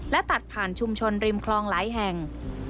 และตัดผ่านชุมชนริมคลองหลายแห่ง